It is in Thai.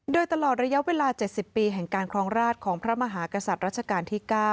โดยตลอดระยะเวลา๗๐ปีแห่งการครองราชของพระมหากษัตริย์รัชกาลที่๙